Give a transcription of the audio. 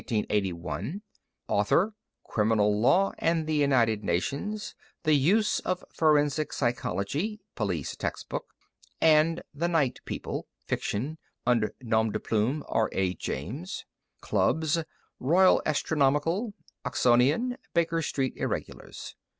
_ Author Criminal Law and the United Nations, The Use of Forensic Psychology (police textbook), and The Night People (fiction; under nom de plume R. A. James). _Clubs: Royal Astronomical, Oxonian, Baker Street Irregulars.